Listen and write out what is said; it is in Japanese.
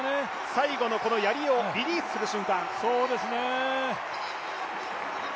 最後のやりをリリースする瞬間。